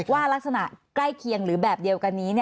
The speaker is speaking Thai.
ว่ารักษณะใกล้เคียงหรือแบบเดียวกันนี้